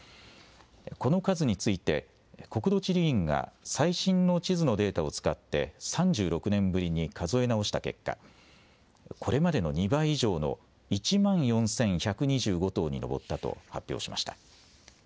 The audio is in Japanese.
この数について国土地理院が最新の地図のデータを使って３６年ぶりに数え直した結果、これまでの２倍以上の１万４１２５島に上ったと発表しました。